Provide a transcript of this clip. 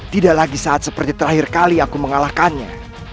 jika aku tidak mau mengatakannya